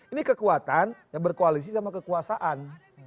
ini kekuatan ya berkoalisi sama kekuasaan